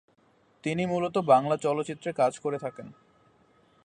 তিনি মূলত বাংলা চলচ্চিত্রে কাজ করে থাকেন।